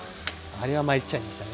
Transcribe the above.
あれはまいっちゃいましたね。